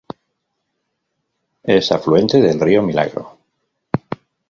Es afluente del río Milagro.